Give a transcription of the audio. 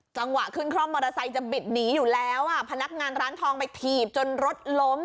จังหวะขึ้นคร่อมมอเตอร์ไซค์จะบิดหนีอยู่แล้วอ่ะพนักงานร้านทองไปถีบจนรถล้ม